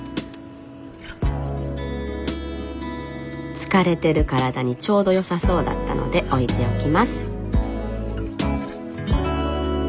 「疲れてる体にちょうどよさそうだったので置いておきます」。